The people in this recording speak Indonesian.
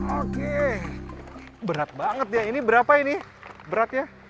oke berat banget ya ini berapa ini beratnya